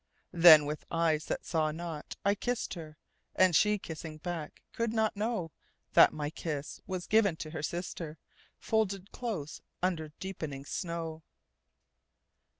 Then, with eyes that saw not, I kissed her; And she, kissing back, could not knowThat my kiss was given to her sister, Folded close under deepening snow.